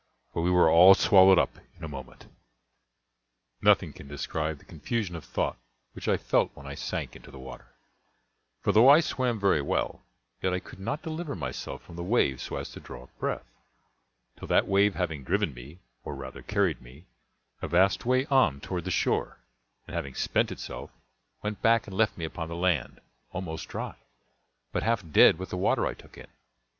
for we were all swallowed up in a moment. Nothing can describe the confusion of thought which I felt when I sank into the water; for though I swam very well, yet I could not deliver myself from the waves so as to draw breath, till that wave having driven me, or rather carried me, a vast way on toward the shore, and having spent itself, went back and left me upon the land, almost dry, but half dead with the water I took in.